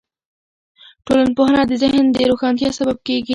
ټولنپوهنه د ذهن د روښانتیا سبب کیږي.